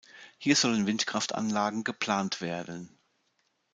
Hier sollen Windkraftanlagen geplant werden.